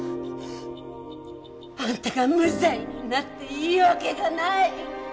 あんたが無罪になっていい訳がない！